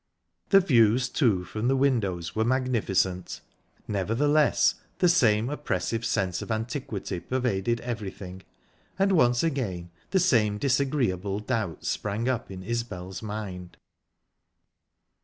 The views, too, from the windows were magnificent. Nevertheless the same oppressive sense of antiquity pervaded everything, and once again the same disagreeable doubts sprang up in Isbel's mind.